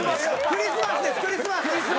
クリスマスです！